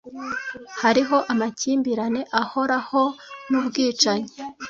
hariho amakimbirane ahoraho n'ubwicanyi